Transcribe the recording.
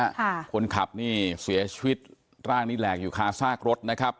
ค่ะคนขับนี่เสียชีวิตร่างนี้แหลกอยู่คาซากรถนะครับ